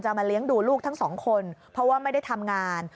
มาเลี้ยงดูลูกทั้งสองคนเพราะว่าไม่ได้ทำงาน